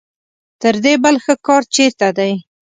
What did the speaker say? تر دې بل ښه کار چېرته دی.